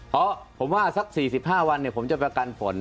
เพราะผมว่าสัก๔๕วันผมจะประกันฝน